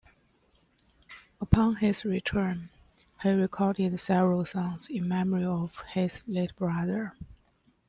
Upon his return, he recorded several songs in memory of his late brother.